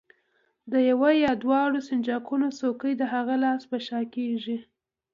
د یوه یا دواړو سنجاقونو څوکې د هغه لاس په شا کېږدئ.